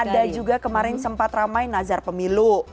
ada juga kemarin sempat ramai nazar pemilu